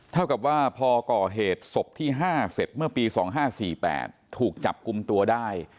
เท่ากับว่าพอก่อเหตุศพที่๕เสร็จเมื่อปี๒๕๔๘ถูกจับกลุ่มตัวได้